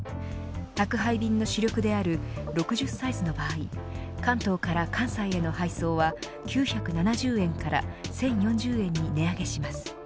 宅配便の主力である６０サイズの場合関東から関西への配送は９７０円から１０４０円に値上げします。